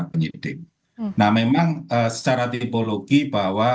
penyidik nah memang secara tipologi bahwa